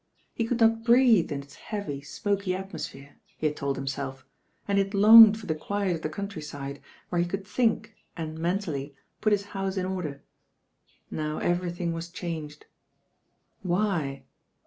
He could not breathe in its heavy smoky atmosphere, he had told himself, and he had longed for the quiet of the countryside, where he could thmic and, mentally, put his house in order. Now evcrythmg was changed. Why?